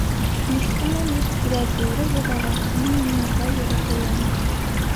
Նշվում է միշտ կիրակի օրը և ավարտվում է նույն օրվա երեկոյան։